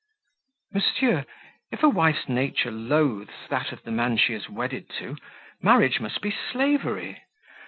"Monsieur, if a wife's nature loathes that of the man she is wedded to, marriage must be slavery.